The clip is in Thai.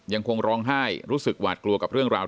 ยังคงร้องไห้รู้สึกหวาดกลัวกับเรื่องราว